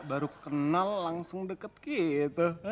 baru kenal langsung deket gitu